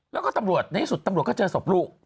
แล้วก็ตำรวจในที่สุดตำรวจก็เจอศพลูก